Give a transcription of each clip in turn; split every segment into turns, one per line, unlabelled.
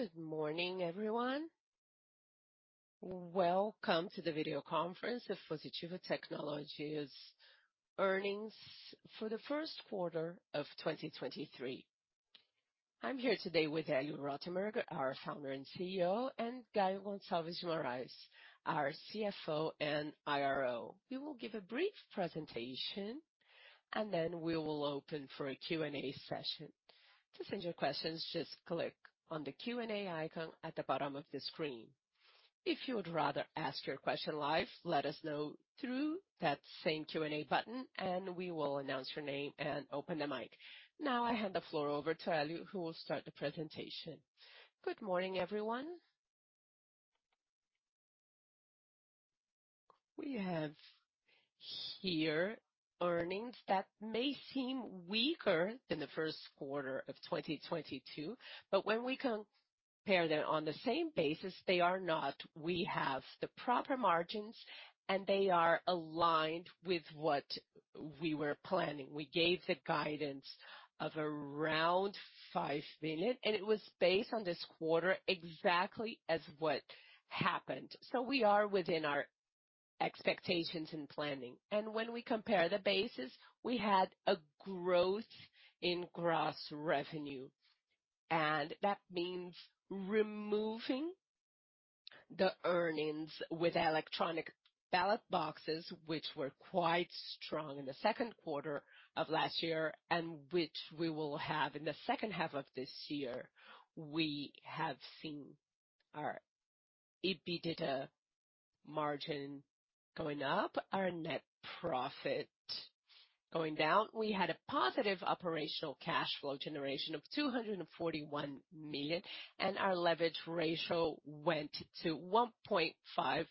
Good morning, everyone. Welcome to the video conference of Positivo Tecnologia Earnings for the First Quarter of 2023. I'm here today with Hélio Rotenberg, our founder and CEO, and Caio Gonçalves de Moraes, our CFO and IRO. We will give a brief presentation then we will open for a Q&A session. To send your questions, just click on the Q&A icon at the bottom of the screen. If you would rather ask your question live, let us know through that same Q&A button, we will announce your name and open the mic. Now I hand the floor over to Hélio, who will start the presentation.
Good morning, everyone. We have here earnings that may seem weaker than the first quarter of 2022, when we compare them on the same basis, they are not. We have the proper margins, and they are aligned with what we were planning. We gave the guidance of around 5 million, and it was based on this quarter exactly as what happened. We are within our expectations and planning. When we compare the bases, we had a growth in gross revenue. That means removing the earnings with electronic ballot boxes, which were quite strong in the second quarter of last year and which we will have in the second half of this year. We have seen our EBITDA margin going up, our net profit going down. We had a positive operational cash flow generation of 241 million, and our leverage ratio went to 1.5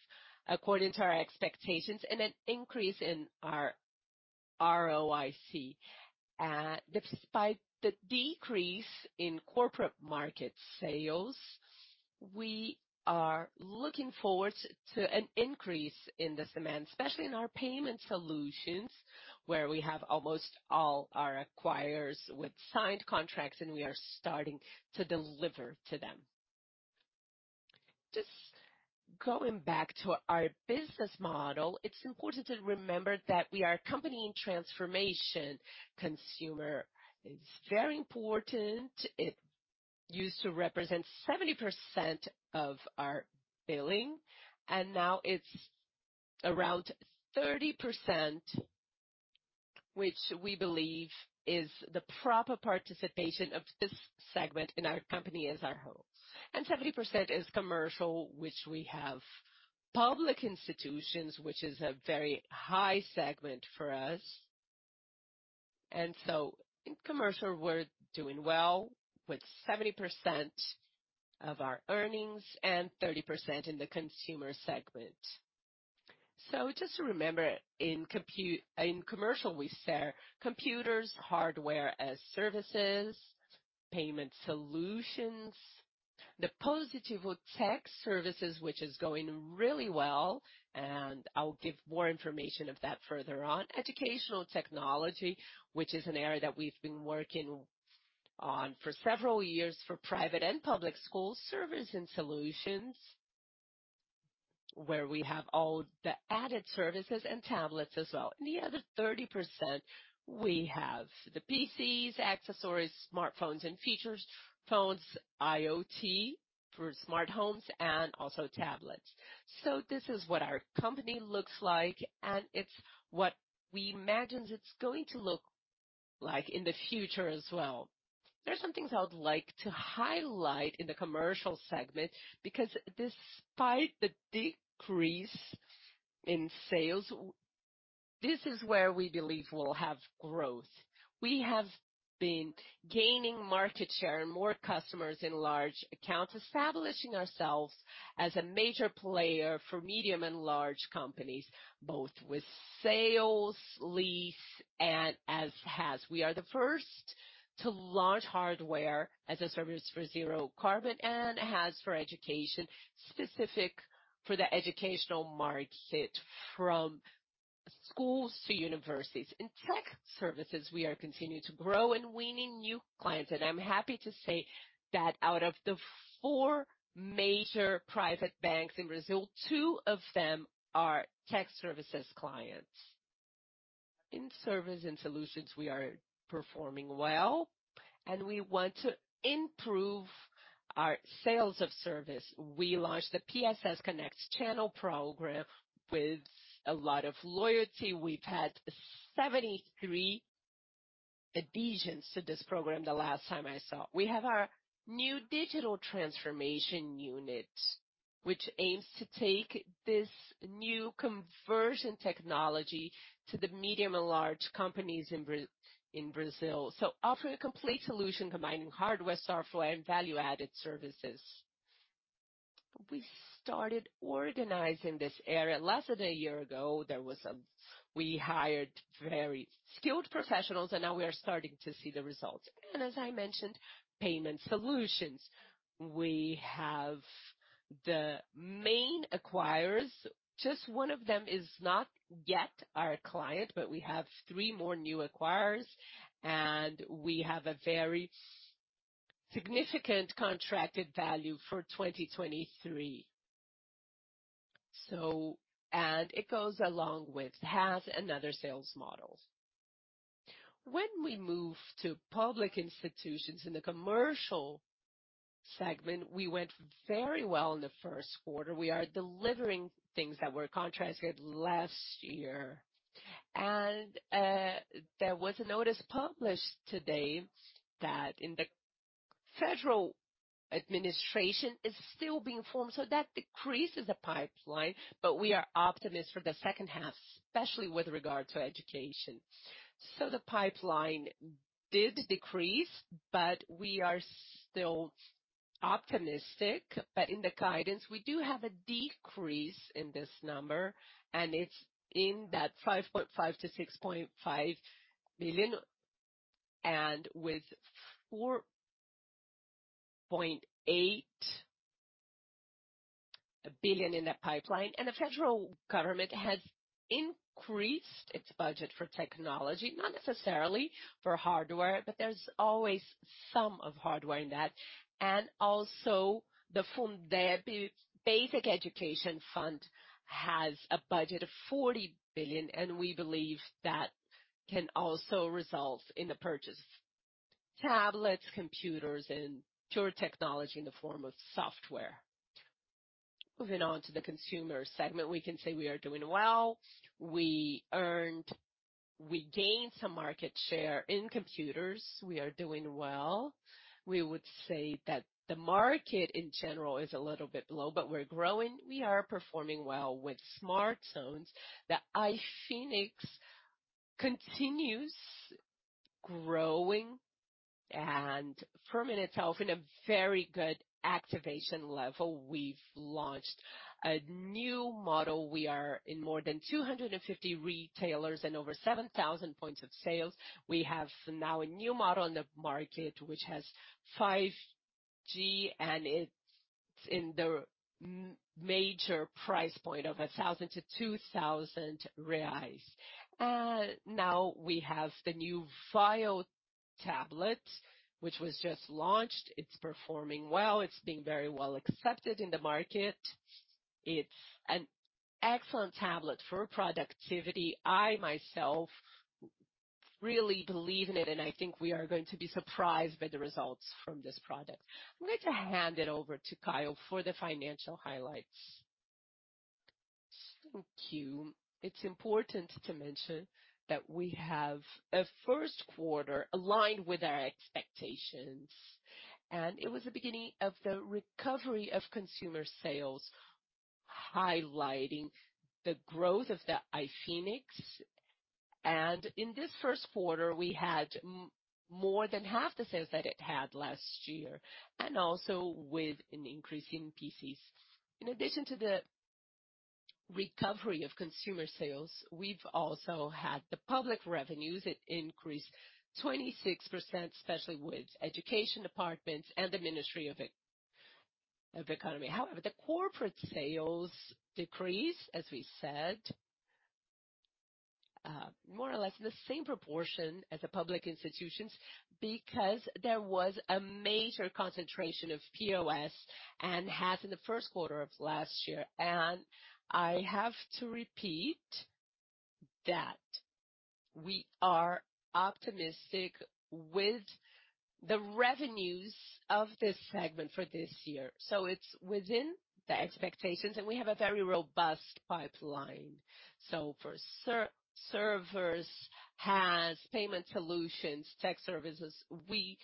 according to our expectations, and an increase in our ROIC. Despite the decrease in corporate market sales, we are looking forward to an increase in this demand, especially in our payment solutions, where we have almost all our acquirers with signed contracts and we are starting to deliver to them. Just going back to our business model, it's important to remember that we are a company in transformation. Consumer is very important. It used to represent 70% of our billing, and now it's around 30%, which we believe is the proper participation of this segment in our company as a whole. 70% is commercial, which we have public institutions, which is a very high segment for us. In commercial, we're doing well with 70% of our earnings and 30% in the consumer segment. Just to remember, in commercial, we sell computers, Hardware as services, payment solutions, the Positivo Tech Services, which is going really well, and I'll give more information of that further on. Educational technology, which is an area that we've been working on for several years for private and public schools. Service and solutions, where we have all the added services and tablets as well. In the other 30%, we have the PCs, accessories, smartphones and features, phones, IoT for smart homes and also tablets. This is what our company looks like, and it's what we imagine it's going to look like in the future as well. There are some things I would like to highlight in the commercial segment because despite the decrease in sales, this is where we believe we'll have growth. We have been gaining market share and more customers in large accounts, establishing ourselves as a major player for medium and large companies, both with sales, lease and as HaaS. We are the first to launch hardware as a service for zero carbon and HaaS for education specific for the educational market from schools to universities. In Tech Services, we are continuing to grow and winning new clients. I'm happy to say that out of the four major private banks in Brazil, two of them are Tech Services clients. In service and solutions, we are performing well. We want to improve our sales of service. We launched the PSS Connect Channel Program with a lot of loyalty. We've had 73 adhesions to this program the last time I saw. We have our new digital transformation unit, which aims to take this new conversion technology to the medium and large companies in Brazil. Offering a complete solution combining hardware, software, and value-added services. We started organizing this area less than a year ago. We hired very skilled professionals, and now we are starting to see the results. As I mentioned, payment solutions. We have the main acquirers, just one of them is not yet our client, but we have three more new acquirers and we have a very significant contracted value for 2023. It goes along with HaaS and other sales models. When we move to public institutions in the commercial segment, we went very well in the first quarter. We are delivering things that were contracted last year. There was a notice published today that in the federal administration is still being formed, so that decreases the pipeline, but we are optimistic for the second half, especially with regard to education. The pipeline did decrease, we are still optimistic. In the guidance we do have a decrease in this number and it's in that 5.5 billion-6.5 billion. With 4.8 billion in that pipeline. The federal government has increased its budget for technology, not necessarily for hardware, but there's always some of hardware in that. The Fundeb, Basic Education Fund, has a budget of 40 billion, and we believe that can also result in the purchase of tablets, computers and pure technology in the form of software. Moving on to the consumer segment, we can say we are doing well. We gained some market share in computers. We are doing well. We would say that the market in general is a little bit low, but we're growing. We are performing well with smartphones. The Infinix continues growing and firming itself in a very good activation level. We've launched a new model. We are in more than 250 retailers and over 7,000 points of sales. We have now a new model in the market, which has 5G and it's in the major price point of 1,000-2,000 reais. Now we have the new VAIO tablet, which was just launched. It's performing well. It's being very well accepted in the market. It's an excellent tablet for productivity. I myself really believe in it, and I think we are going to be surprised by the results from this product. I'm going to hand it over to Caio for the financial highlights.
Thank you. It's important to mention that we have a first quarter aligned with our expectations, and it was the beginning of the recovery of consumer sales, highlighting the growth of the Infinix. In this first quarter, we had more than half the sales that it had last year, and also with an increase in PCs. In addition to the recovery of consumer sales, we've also had the public revenues. It increased 26%, especially with education departments and the Ministry of Economy. However, the corporate sales decreased, as we said, more or less in the same proportion as the public institutions, because there was a major concentration of POS and HaaS in the first quarter of last year. I have to repeat that we are optimistic with the revenues of this segment for this year. It's within the expectations and we have a very robust pipeline. For servers, HaaS payment solutions, Tech Services, we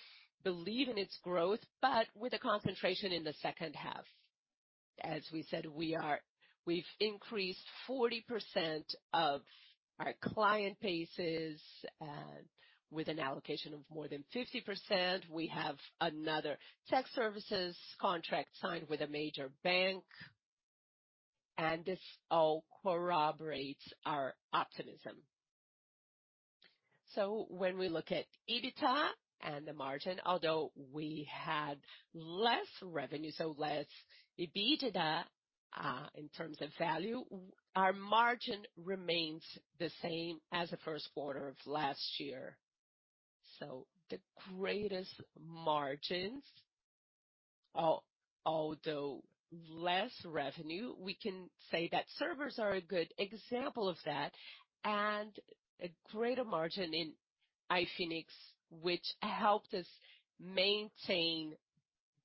believe in its growth, but with a concentration in the second half. As we said, we've increased 40% of our client bases, with an allocation of more than 50%. We have another Tech Services contract signed with a major bank. This all corroborates our optimism. When we look at EBITDA and the margin, although we had less revenue, less EBITDA, in terms of value, our margin remains the same as the first quarter of last year. The greatest margins, although less revenue, we can say that servers are a good example of that, and a greater margin in Infinix, which helped us maintain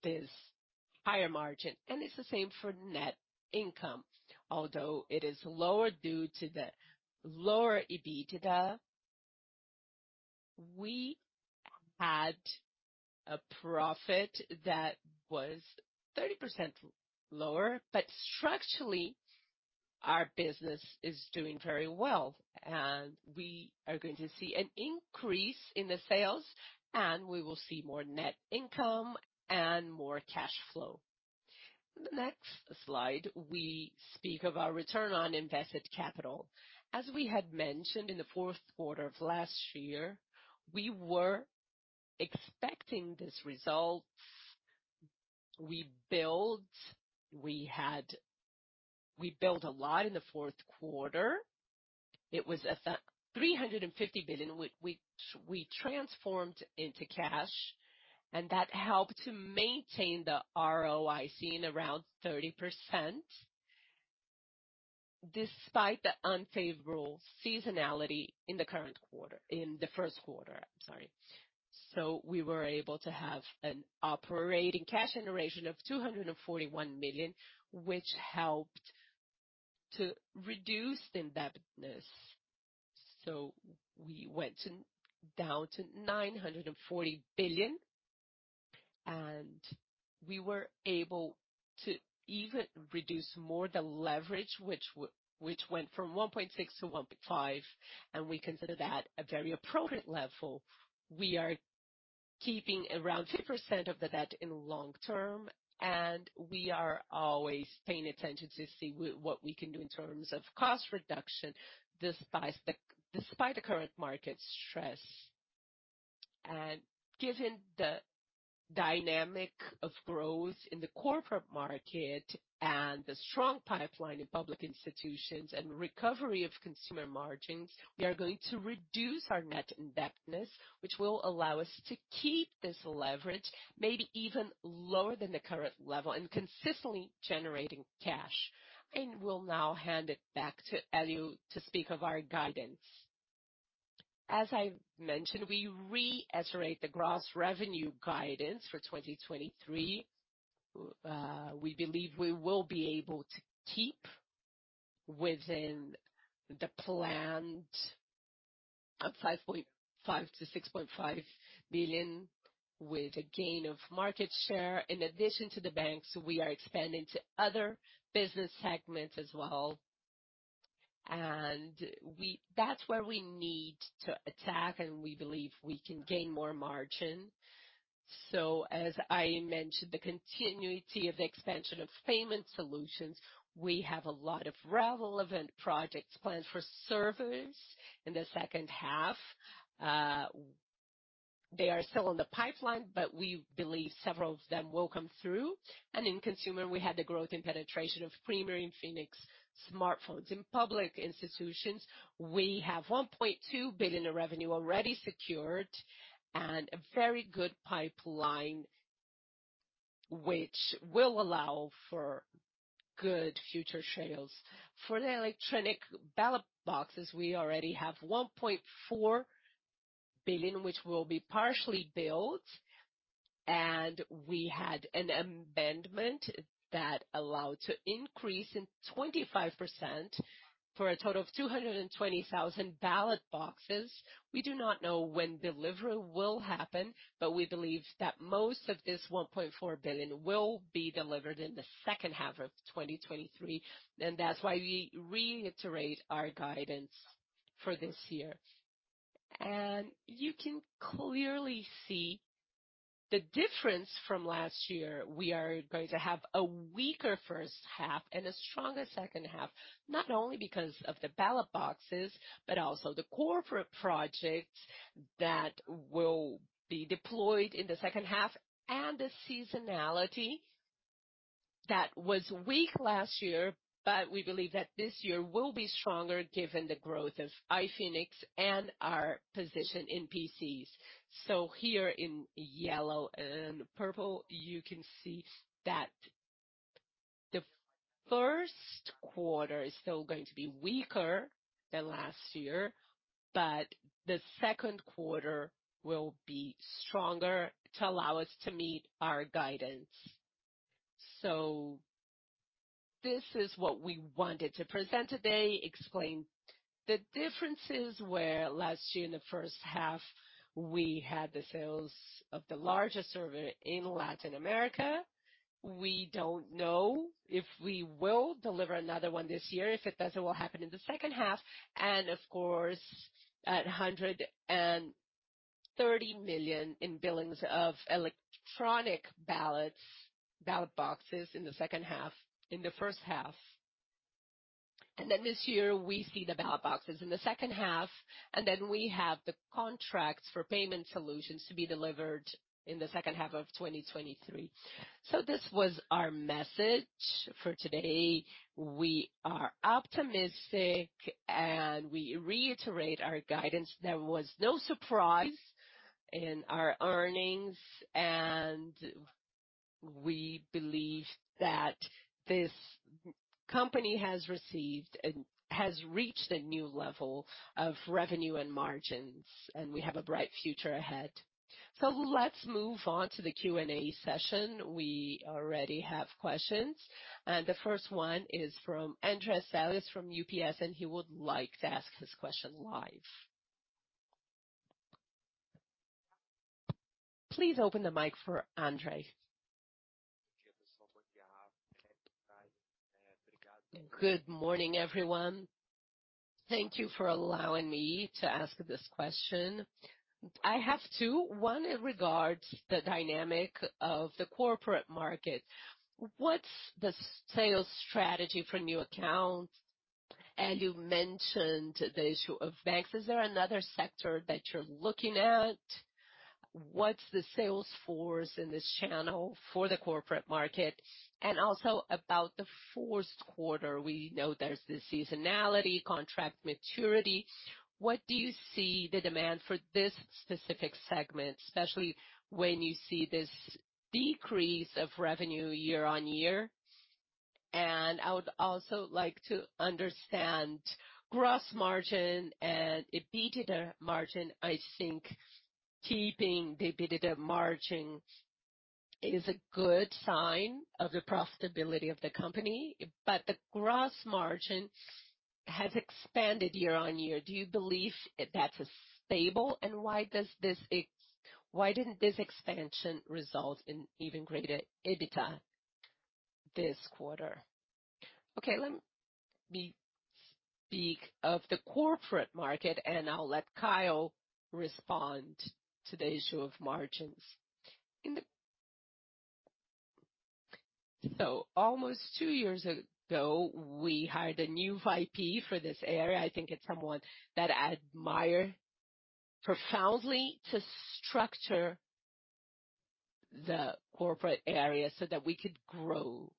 this higher margin. It's the same for net income. Although it is lower due to the lower EBITDA, we had a profit that was 30% lower. Structurally, our business is doing very well and we are going to see an increase in the sales, and we will see more net income and more cash flow. In the next slide, we speak of our return on invested capital. As we had mentioned in the fourth quarter of last year, we were expecting these results, we built a lot in the Q4. It was 350 million which we transformed into cash. That helped to maintain the ROIC around 30% despite the unfavorable seasonality in the first quarter, I'm sorry. We were able to have an operating cash generation of 241 million, which helped to reduce the indebtedness. We went to, down to 940 million. We were able to even reduce more the leverage, which went from 1.6 to 1.5. We consider that a very appropriate level. We are keeping around 2% of the debt in long term. We are always paying attention to see what we can do in terms of cost reduction despite the current market stress. Given the dynamic of growth in the corporate market and the strong pipeline in public institutions and recovery of consumer margins, we are going to reduce our net indebtedness, which will allow us to keep this leverage maybe even lower than the current level and consistently generating cash. I will now hand it back to Hélio to speak of our guidance.
As I mentioned, we reiterate the gross revenue guidance for 2023. We believe we will be able to keep within the planned of 5.5 billion-6.5 billion with a gain of market share. In addition to the banks, we are expanding to other business segments as well. That's where we need to attack, and we believe we can gain more margin. As I mentioned, the continuity of the expansion of payment solutions, we have a lot of relevant projects planned for servers in the second half. They are still on the pipeline, but we believe several of them will come through. In consumer, we had the growth in penetration of Premier and Infinix smartphones. In public institutions, we have 1.2 billion in revenue already secured and a very good pipeline which will allow for good future sales. For the electronic ballot boxes, we already have 1.4 billion, which will be partially built. We had an amendment that allowed to increase in 25% for a total of 220,000 ballot boxes. We do not know when delivery will happen, but we believe that most of this 1.4 billion will be delivered in the second half of 2023. That's why we reiterate our guidance for this year. You can clearly see the difference from last year. We are going to have a weaker first half and a stronger second half, not only because of the ballot boxes, but also the corporate projects that will be deployed in the second half and the seasonality that was weak last year. We believe that this year will be stronger given the growth of Infinix and our position in PCs. Here in yellow and purple, you can see that the first quarter is still going to be weaker than last year, but the second quarter will be stronger to allow us to meet our guidance. This is what we wanted to present today, explain the differences where last year in the first half we had the sales of the largest server in Latin America. We don't know if we will deliver another one this year. If it does, it will happen in the second half. At 130 million in billings of electronic ballot boxes in the first half. This year we see the ballot boxes in the second half, and then we have the contracts for payment solutions to be delivered in the second half of 2023. This was our message for today. We are optimistic, and we reiterate our guidance. There was no surprise in our earnings, and we believe that this company has received and has reached a new level of revenue and margins, and we have a bright future ahead. Let's move on to the Q&A session. We already have questions. The first one is from André Salles from UBS. He would like to ask his question live. Please open the mic for André.
Good morning, everyone. Thank you for allowing me to ask this question. I have two. One regards the dynamic of the corporate market. What's the sales strategy for new accounts? You mentioned the issue of banks. Is there another sector that you're looking at? What's the sales force in this channel for the corporate market? Also about the fourth quarter, we know there's the seasonality, contract maturity. What do you see the demand for this specific segment, especially when you see this decrease of revenue year-on-year? I would also like to understand gross margin and EBITDA margin. I think keeping the EBITDA margin is a good sign of the profitability of the company, the gross margin has expanded YoY. Do you believe that is stable? Why didn't this expansion result in even greater EBITDA this quarter?
Okay, let me speak of the corporate market, I'll let Caio respond to the issue of margins. Almost two years ago, we hired a new VP for this area, I think it's someone that I admire profoundly, to structure the corporate area so that we could grow.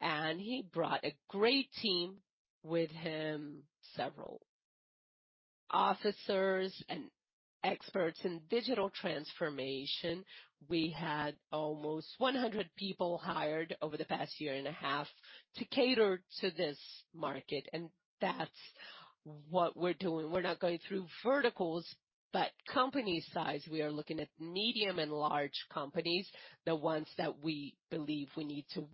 He brought a great team with him, several officers and experts in digital transformation. We had almost 100 people hired over the past year and a half to cater to this market, that's what we're doing. We're not going through verticals, company size. We are looking at medium and large companies, the ones that we believe we need to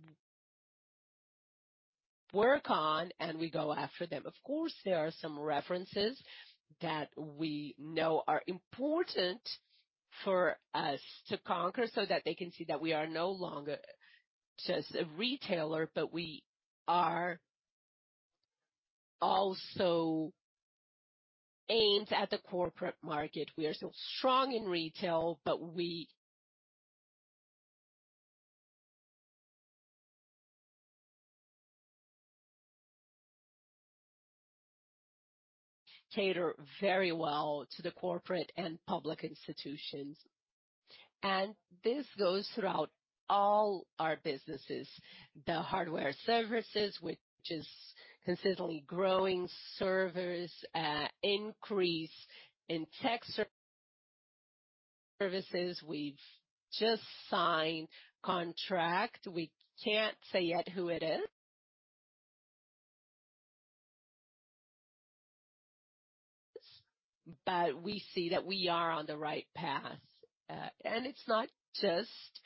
work on. We go after them. Of course, there are some references that we know are important for us to conquer so that they can see that we are no longer just a retailer, but we are also aimed at the corporate market. We are still strong in retail, but we cater very well to the corporate and public institutions. This goes throughout all our businesses. The hardware services, which is consistently growing. Servers, increase in tech services. We've just signed contract. We can't say yet who it is. We see that we are on the right path. It's not just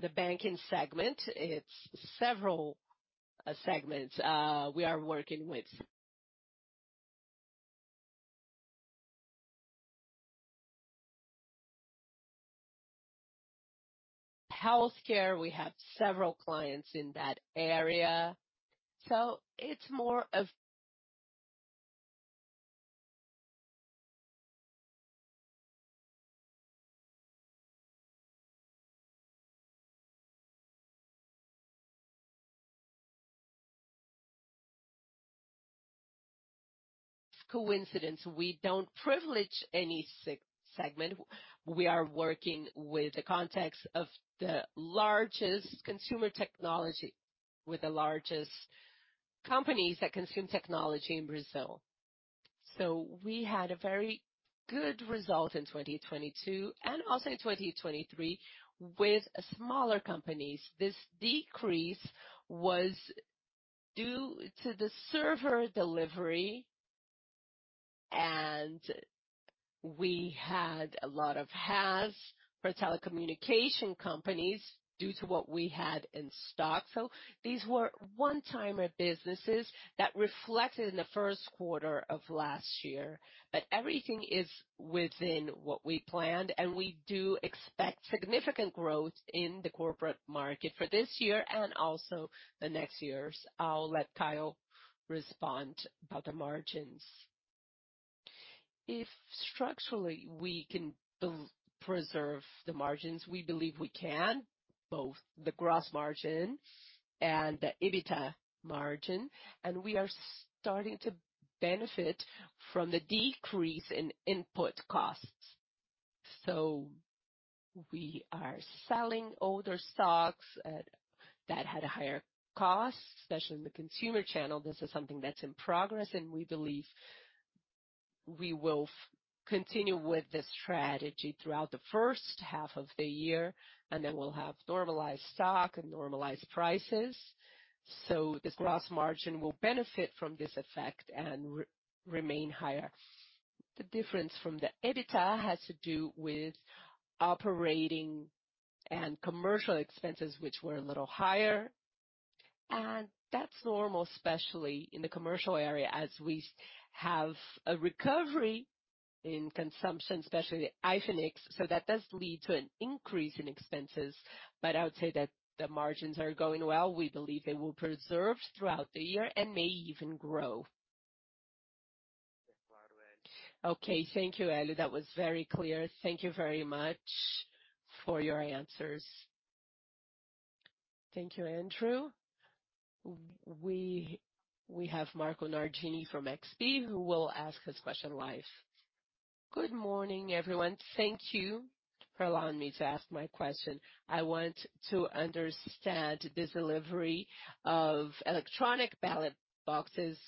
the banking segment, it's several segments we are working with. Healthcare, we have several clients in that area. It's more of coincidence. We don't privilege any segment. We are working with the context of the largest consumer technology with the largest companies that consume technology in Brazil. We had a very good result in 2022 and also in 2023 with smaller companies. This decrease was due to the server delivery, and we had a lot of halves for telecommunication companies due to what we had in stock. These were one-timer businesses that reflected in the first quarter of last year. Everything is within what we planned, and we do expect significant growth in the corporate market for this year and also the next years. I'll let Caio respond about the margins.
If structurally we can preserve the margins, we believe we can, both the gross margin and the EBITDA margin, and we are starting to benefit from the decrease in input costs. We are selling older stocks that had a higher cost, especially in the consumer channel. This is something that's in progress, and we believe we will continue with this strategy throughout the first half of the year, and then we'll have normalized stock and normalized prices. This gross margin will benefit from this effect and remain higher. The difference from the EBITDA has to do with operating and commercial expenses, which were a little higher. That's normal, especially in the commercial area, as we have a recovery in consumption, especially the Infinix. That does lead to an increase in expenses. I would say that the margins are going well. We believe they will preserve throughout the year and may even grow.
Thank you, Hélio. That was very clear. Thank you very much for your answers.
Thank you, André. We have Marco Nardini from XP who will ask his question live.
Good morning, everyone. Thank you for allowing me to ask my question. I want to understand the delivery of electronic ballot boxes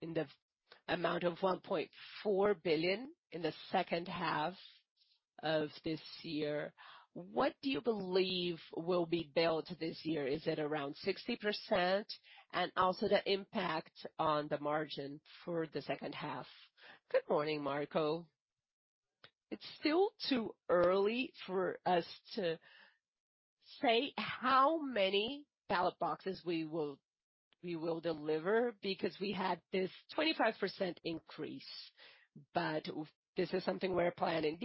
in the amount of 1.4 billion in the second half of this year. What do you believe will be billed this year? Is it around 60%? Also the impact on the margin for the second half.
Good morning, Marco. It's still too early for us to say how many ballot boxes we will deliver because we had this 25% increase. This is something we are planning.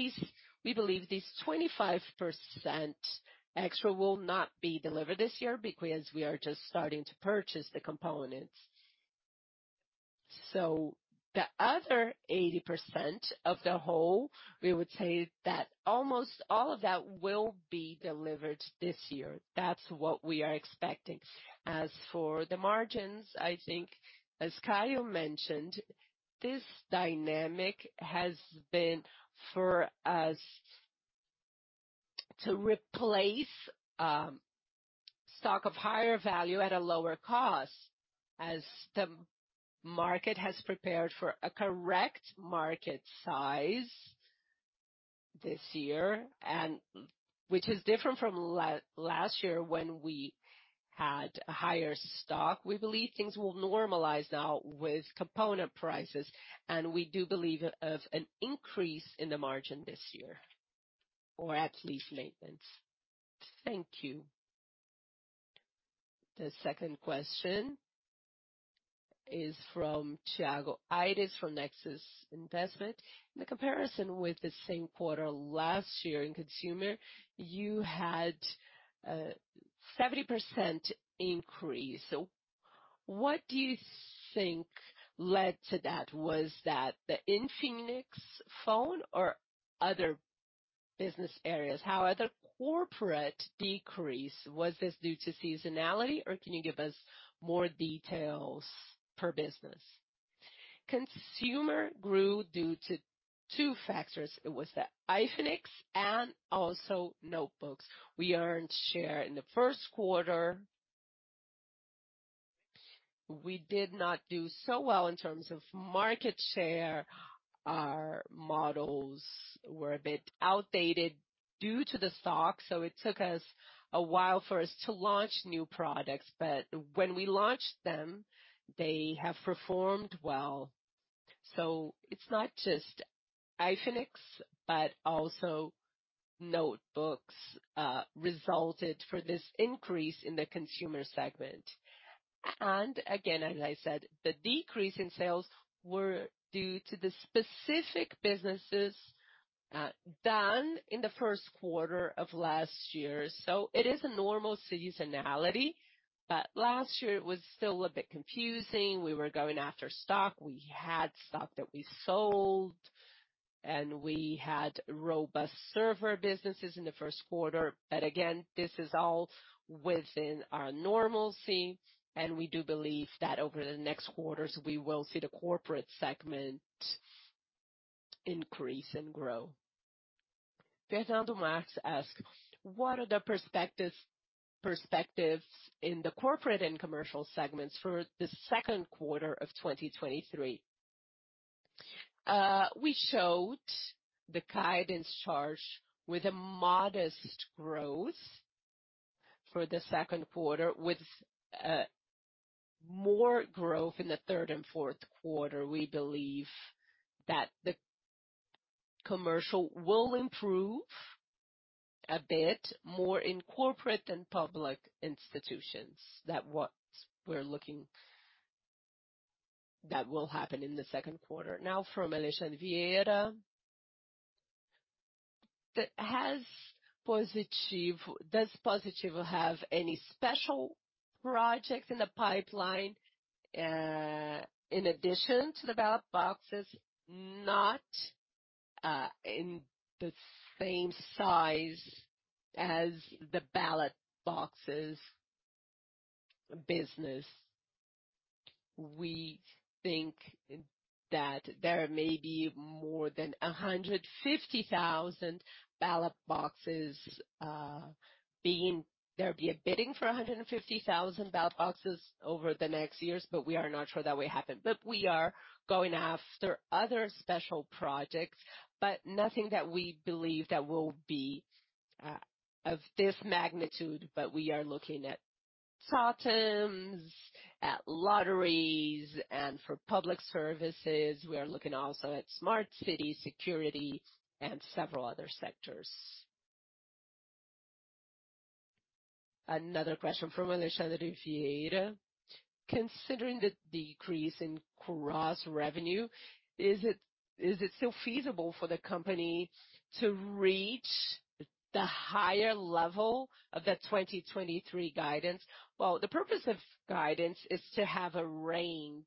We believe this 25% extra will not be delivered this year because we are just starting to purchase the components. The other 80% of the whole, we would say that almost all of that will be delivered this year. That's what we are expecting. As for the margins, I think, as Caio mentioned, this dynamic has been for us to replace stock of higher value at a lower cost as the market has prepared for a correct market size this year, and which is different from last year when we had a higher stock. We believe things will normalize now with component prices, and we do believe of an increase in the margin this year, or at least maintenance.
Thank you.
The second question is from Thiago Aires from Nexus Investimentos.
In the comparison with the same quarter last year in consumer, you had a 70% increase. What do you think led to that? Was that the Infinix phone or other business areas? How are the corporate decrease, was this due to seasonality, or can you give us more details per business?
Consumer grew due to two factors. It was the Infinix and also notebooks. We earned share in the 1st quarter. We did not do so well in terms of market share. Our models were a bit outdated due to the stock, so it took us a while for us to launch new products. When we launched them, they have performed well. It's not just Infinix, but also notebooks, resulted for this increase in the consumer segment. Again, as I said, the decrease in sales were due to the specific businesses, done in the 1st quarter of last year. It is a normal seasonality, but last year it was still a bit confusing. We were going after stock. We had stock that we sold, and we had robust server businesses in the first quarter. Again, this is all within our normalcy, and we do believe that over the next quarters we will see the corporate segment increase and grow.
Fernando Marques asked, "What are the perspectives in the corporate and commercial segments for the second quarter of 2023?"
We showed the guidance charge with a modest growth for the second quarter, with more growth in the third and fourth quarter. We believe that the commercial will improve a bit more in corporate and public institutions than what we're looking... That will happen in the second quarter.
From Alexandre Vieira. Does Positivo have any special projects in the pipeline, in addition to the ballot boxes?
Not in the same size as the ballot boxes business. We think that there may be more than 150,000 ballot boxes. There'll be a bidding for 150,000 ballot boxes over the next years, but we are not sure that will happen. We are going after other special projects, but nothing that we believe that will be of this magnitude. We are looking at totems, at lotteries, and for public services. We are looking also at smart city security and several other sectors.
Another question from Alexandre Vieira. Considering the decrease in cross revenue, is it still feasible for the company to reach the higher level of the 2023 guidance?
The purpose of guidance is to have a range,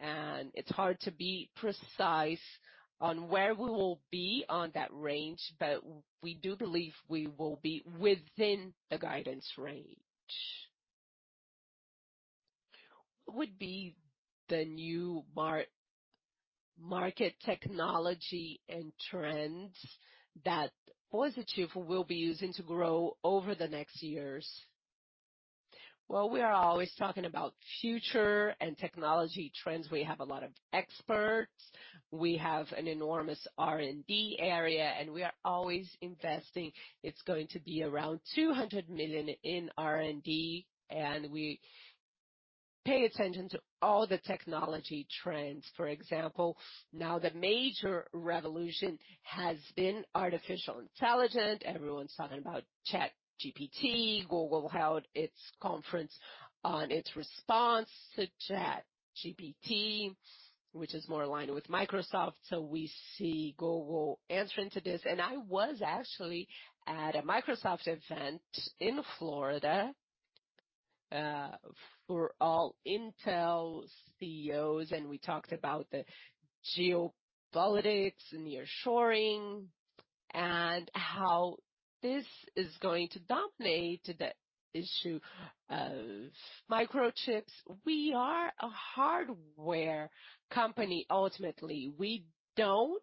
and it's hard to be precise on where we will be on that range, but we do believe we will be within the guidance range.
What would be the new market technology and trends that Positivo will be using to grow over the next years?
Well, we are always talking about future and technology trends. We have a lot of experts. We have an enormous R&D area, and we are always investing. It's going to be around 200 million in R&D, and we pay attention to all the technology trends. For example, now the major revolution has been artificial intelligence. Everyone's talking about ChatGPT. Google held its conference on its response to ChatGPT, which is more aligned with Microsoft. We see Google entering into this. I was actually at a Microsoft event in Florida for all Intel CEOs, and we talked about the geopolitics, nearshoring, and how this is going to dominate the issue of microchips. We are a hardware company, ultimately. We don't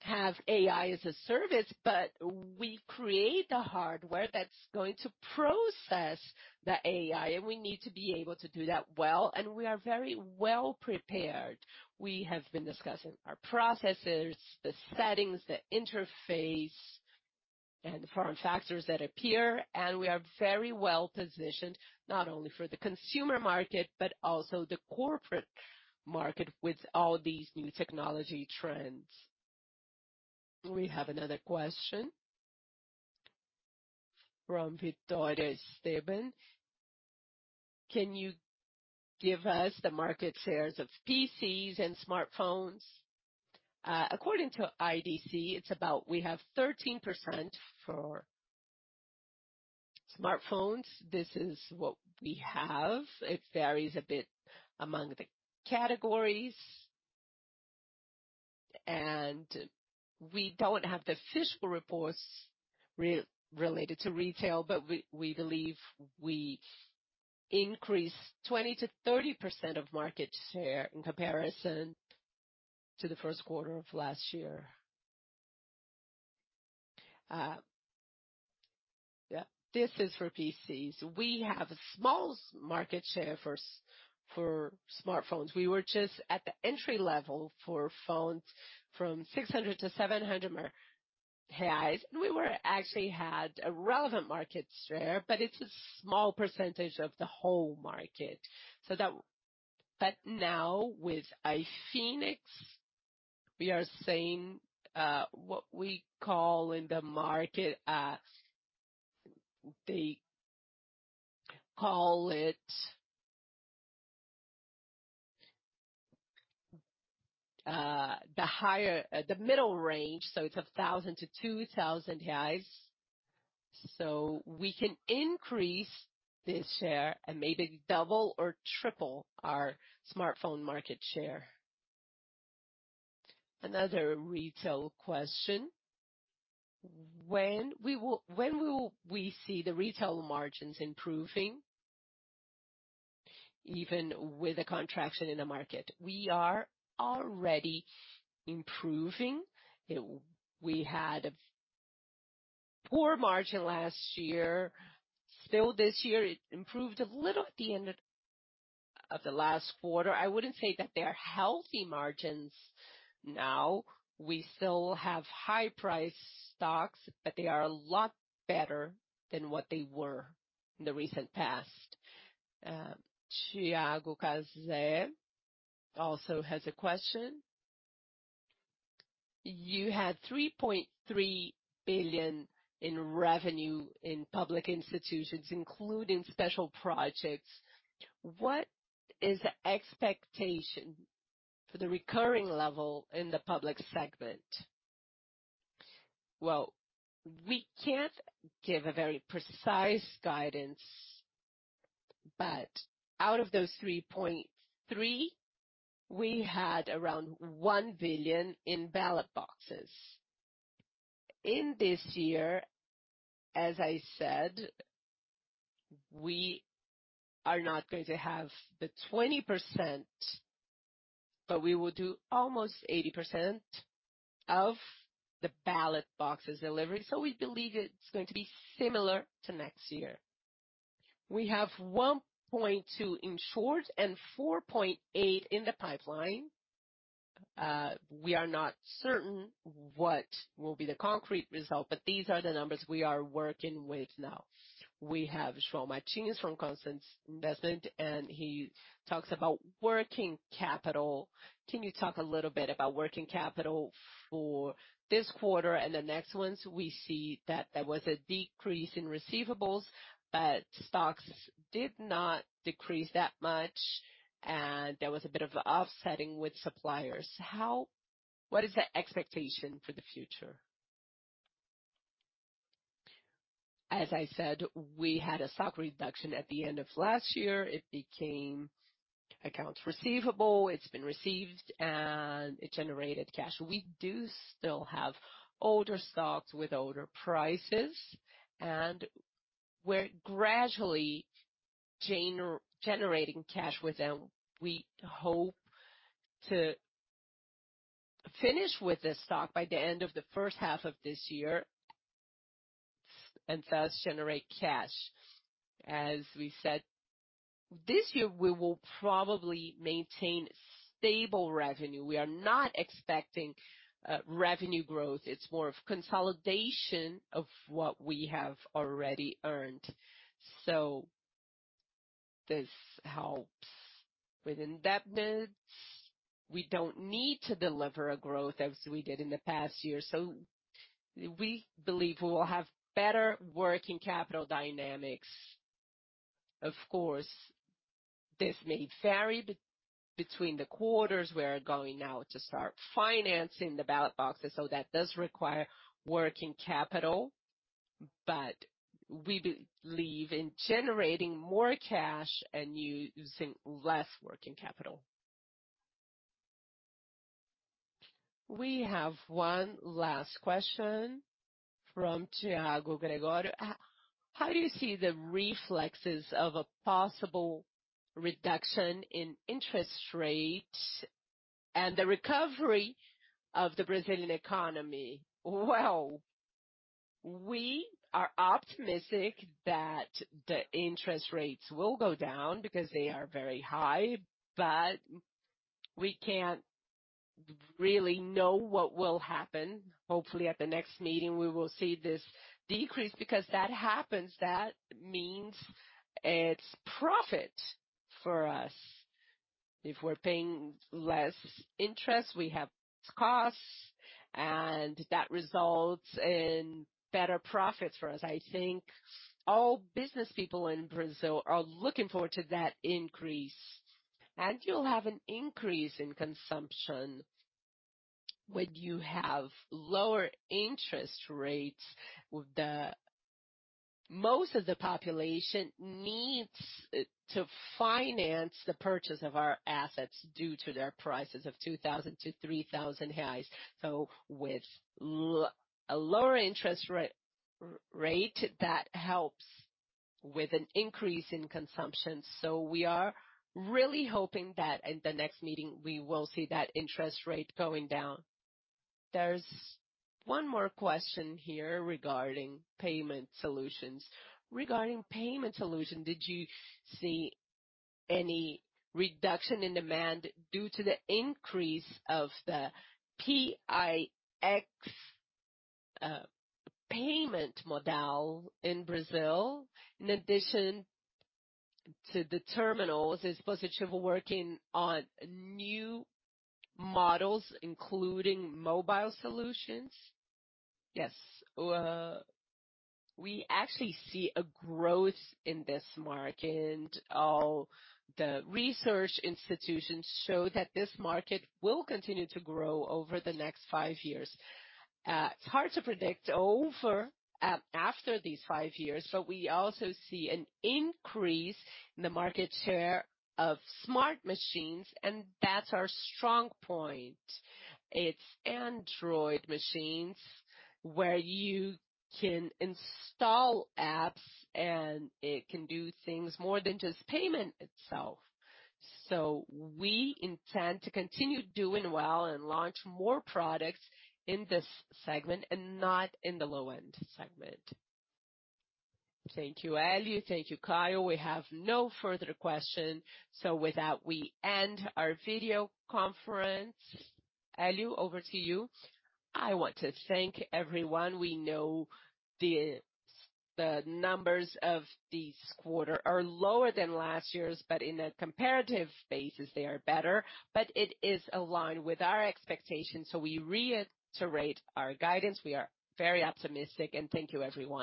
have AI as a service, but we create the hardware that's going to process the AI, and we need to be able to do that well, and we are very well prepared. We have been discussing our processes, the settings, the interface, and the form factors that appear, and we are very well-positioned, not only for the consumer market but also the corporate market with all these new technology trends.
We have another question from Vitória Esteban. Can you give us the market shares of PCs and smartphones?
According to IDC, we have 13% for smartphones. This is what we have. It varies a bit among the categories. We don't have the fiscal reports related to retail, but we believe we increased 20%-30% of market share in comparison to the first quarter of last year. Yeah. This is for PCs. We have a small market share for smartphones. We were just at the entry level for phones from 600-700. Actually had a relevant market share, but it's a small percentage of the whole market. That... Now with Infinix, we are seeing what we call in the market as they call it the middle range, so it's 1,000-2,000. We can increase this share and maybe double or triple our smartphone market share.
Another retail question. When will we see the retail margins improving even with a contraction in the market?
We are already improving. We had a poor margin last year. Still this year, it improved a little at the end of the last quarter. I wouldn't say that they are healthy margins now. We still have high price stocks, they are a lot better than what they were in the recent past.
Thiago Casé also has a question. You had 3.3 billion in revenue in public institutions, including special projects. What is the expectation for the recurring level in the public segment?
Well, we can't give a very precise guidance, but out of those 3.3, we had around 1 billion in ballot boxes. In this year, as I said, we are not going to have the 20%, but we will do almost 80% of the ballot boxes delivery. We believe it's going to be similar to next year. We have 1.2 in short and 4.8 in the pipeline. We are not certain what will be the concrete result, these are the numbers we are working with now.
We have João Martins from Constância Investimentos. He talks about working capital. Can you talk a little bit about working capital for this quarter and the next ones? We see that there was a decrease in receivables, stocks did not decrease that much, there was a bit of offsetting with suppliers. What is the expectation for the future?
As I said, we had a stock reduction at the end of last year. It became accounts receivable. It's been received, it generated cash. We do still have older stocks with older prices, we're gradually generating cash with them. We hope to finish with this stock by the end of the first half of this year and thus generate cash. As we said, this year, we will probably maintain stable revenue. We are not expecting revenue growth. It's more of consolidation of what we have already earned. This helps with indebtedness. We don't need to deliver a growth as we did in the past year. We believe we will have better working capital dynamics. Of course, this may vary between the quarters. We're going now to start financing the ballot boxes. That does require working capital. We believe in generating more cash and using less working capital.
We have one last question from Thiago Gregório. How do you see the reflexes of a possible reduction in interest rates and the recovery of the Brazilian economy?
We are optimistic that the interest rates will go down because they are very high, but we can't really know what will happen. Hopefully, at the next meeting, we will see this decrease because that happens. That means it's profit for us. If we're paying less interest, we have costs and that results in better profits for us. I think all business people in Brazil are looking forward to that increase. You'll have an increase in consumption when you have lower interest rates. Most of the population needs to finance the purchase of our assets due to their prices of 2,000-3,000. With a lower interest rate, that helps with an increase in consumption. We are really hoping that in the next meeting, we will see that interest rate going down.
There's one more question here regarding payment solutions. Regarding payment solution, did you see any reduction in demand due to the increase of the PIX payment model in Brazil? In addition to the terminals, is Positivo working on new models, including mobile solutions?
Yes. We actually see a growth in this market. All the research institutions show that this market will continue to grow over the next five years. It's hard to predict over after these five years, but we also see an increase in the market share of smart machines, and that's our strong point. It's Android machines where you can install apps, and it can do things more than just payment itself. We intend to continue doing well and launch more products in this segment and not in the low-end segment.
Thank you, Hélio. Thank you, Caio. We have no further question. With that, we end our video conference. Hélio, over to you.
I want to thank everyone. We know the numbers of this quarter are lower than last year's, but in a comparative basis, they are better. It is aligned with our expectations. We reiterate our guidance. We are very optimistic. Thank you, everyone.